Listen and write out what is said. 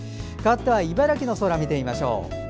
かわっては茨城の空を見てみましょう。